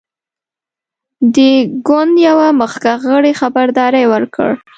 د ګوند یوه مخکښ غړي خبرداری ورکړ.